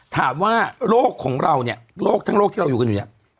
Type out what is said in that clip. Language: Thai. โรคของเราเนี่ยโรคทั้งโรคที่เราอยู่กันอยู่เนี่ย